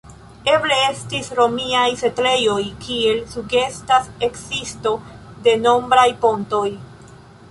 Eble estis romiaj setlejoj, kiel sugestas ekzisto de nombraj pontoj.